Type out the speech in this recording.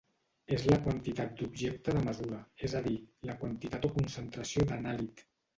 És la quantitat d'objecte de mesura, és a dir, la quantitat o concentració d'anàlit.